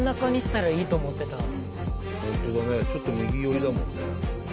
本当だねちょっと右寄りだもんね。